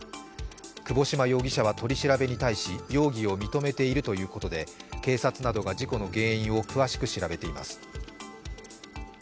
窪島容疑者は取り調べに対し、容疑を認めているということで、警察などが事故の原因を詳しく調べています。